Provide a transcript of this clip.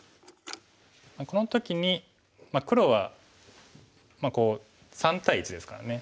この時に黒は３対１ですからね